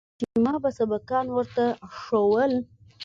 چې ما به سبقان ورته ښوول.